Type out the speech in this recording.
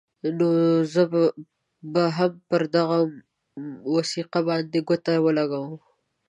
نو زه به هم پر دغه وثیقه باندې ګوتې ولګوم.